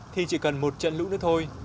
thì chỉ cần một trận lũ nữa thôi